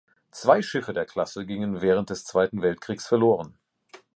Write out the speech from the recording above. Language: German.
Zwei Schiffe der Klasse gingen während des Zweiten Weltkriegs verloren.